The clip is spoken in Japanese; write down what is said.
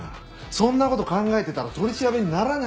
そんな事考えてたら取り調べにならないって。